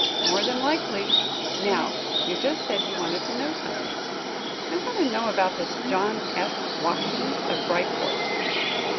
"More than likely. Now, you just said you wanted to know something." "I want to know about this John S. Watkins, of Bryport."